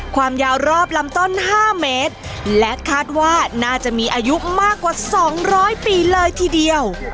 ความยาวรอบลำต้น๕เมตรและคาดว่าน่าจะมีอายุมากกว่า๒๐๐ปีเลยทีเดียว